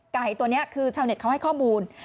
ไก่ตัวนี้คือชาวเน็ตเขาให้ข้อมูล